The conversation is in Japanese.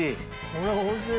これおいしい！